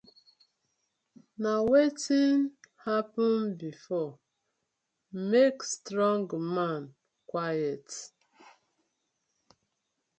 Na wetin happen before, make strong man quiet: